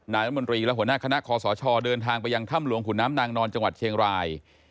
รัฐมนตรีและหัวหน้าคณะคอสชเดินทางไปยังถ้ำหลวงขุนน้ำนางนอนจังหวัดเชียงราย